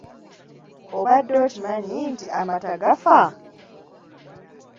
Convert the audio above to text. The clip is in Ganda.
Obadde okimanyi nti amata gafa?